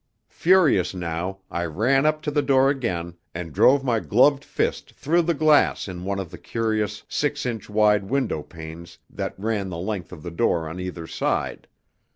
Furious now, I ran up to the door again, and drove my gloved fist through the glass in one of the curious, six inch wide window panes that ran the length of the door on either side.